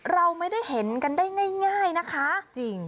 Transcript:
เราไม่ได้เห็นกันได้ง่ายนะคะจริง